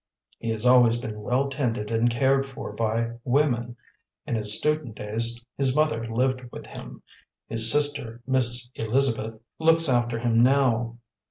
He has always been well tended and cared for by women; in his student days his mother lived with him; his sister, Miss Elizabeth, looks after him now.